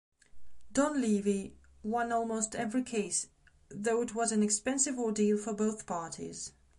Donleavy won almost every case, though it was an expensive ordeal for both parties.